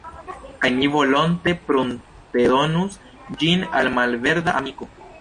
Kaj mi volonte pruntedonus ĝin al malverda amiko.